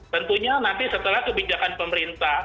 tentunya nanti setelah kebijakan pemerintah